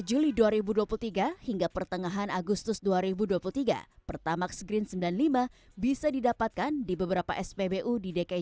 juli dua ribu dua puluh tiga hingga pertengahan agustus dua ribu dua puluh tiga pertamax green sembilan puluh lima bisa didapatkan di beberapa spbu di dki